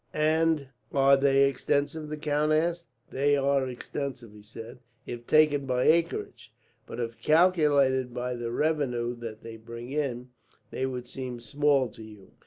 "And are they extensive?" the count asked. "They are extensive," he said, "if taken by acreage; but if calculated by the revenue that they bring in, they would seem small to you.